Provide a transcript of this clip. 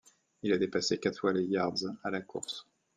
Il a dépassé quatre fois les yards à la course.